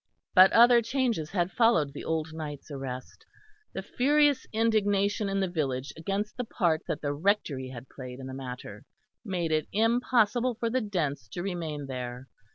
But other changes had followed the old knight's arrest. The furious indignation in the village against the part that the Rectory had played in the matter, made it impossible for the Dents to remain there.